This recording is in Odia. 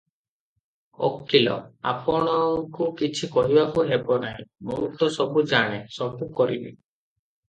ଓକିଲ - "ଆପଣଙ୍କୁ କିଛି କହିବାକୁ ହେବ ନାହିଁ, ମୁଁ ତ ସବୁ ଜାଣେ, ସବୁ କରିବି ।